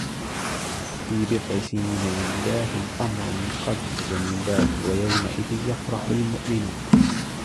في بضع سنين لله الأمر من قبل ومن بعد ويومئذ يفرح المؤمنون